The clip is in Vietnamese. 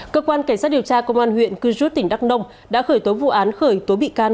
cơ quan cảnh sát điều tra công an huyện cư rút tỉnh đắk nông đã khởi tố vụ án khởi tố bị can